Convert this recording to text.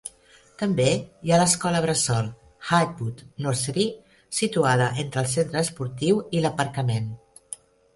També hi ha l'escola bressol Highwood Nursery, situada entre el centre esportiu i l'aparcament.